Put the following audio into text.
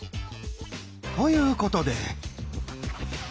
ということで。